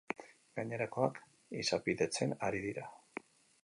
Gainerakoak izapidetzen ari dira.